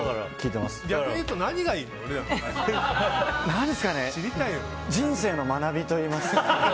何ですかね人生の学びといいますか。